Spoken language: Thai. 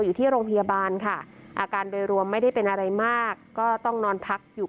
อยู่ที่โรงพยาบาลค่ะอาการโดยรวมไม่ได้เป็นอะไรมากก็ต้องนอนพักอยู่